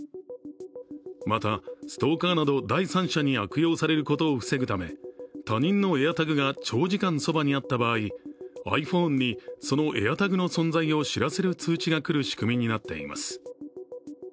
またストーカーなど第三者に悪用されることを防ぐため他人のＡｉｒＴａｇが長時間そばにあった場合ｉＰｈｏｎｅにそのＡｉｒＴａｇの存在を知らせる通知が来る仕組みになっています。